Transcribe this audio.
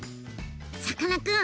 さかなクン！